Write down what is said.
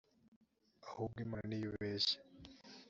ahubwo imana ni yo ubeshye